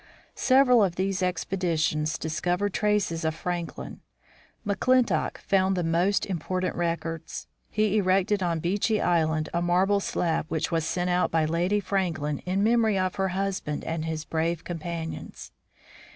Several of these expeditions discovered traces of Frank lin. McClintock found the most important records. He erected on Beechey island a marble slab which was sent out by Lady Franklin in memory of her husband and his brave companions.